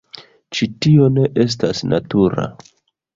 Ĉi tio ne estas natura...